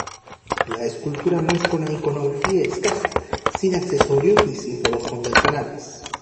La escultura muestra una iconografía escasa, sin accesorios ni símbolos convencionales.